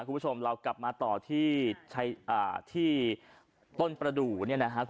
คุณผู้ชมเรากลับมาต่อที่ที่อ่าที่ต้นประดุเนี่ยนะฮะ